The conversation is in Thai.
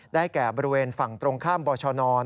แก่บริเวณฝั่งตรงข้ามบชน